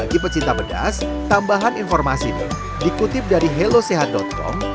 bagi pencinta pedas tambahan informasi dikutip dari hellosehat com